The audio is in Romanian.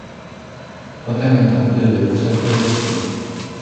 Toate amendamentele depuse au fost respinse.